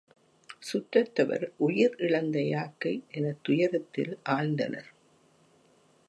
சுற்றத்தவர் உயிர் இழந்த யாக்கை எனத் துயரத்தில் ஆழ்ந்தனர்.